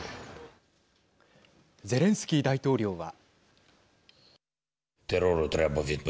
ゼレンスキー大統領は。